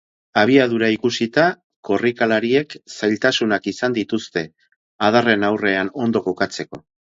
Abiadura ikusita, korrikalariek zailtasunak izan dituzte adarren aurrean ondo kokatzeko.